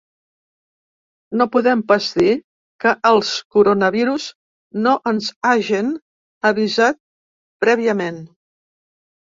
No podem pas dir que els coronavirus no ens hagen avisat prèviament.